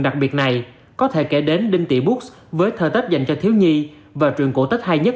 đặc biệt này có thể kể đến đinh tỷ books với thơ tết dành cho thiếu nhi và truyền cổ tết hay nhất